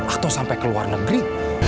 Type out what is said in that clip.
atau sampai ke luar negeri